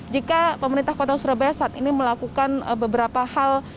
jika pemerintah kota surabaya saat ini melakukan beberapa hal